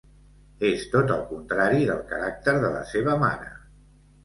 És tot el contrari del caràcter de la seva mare.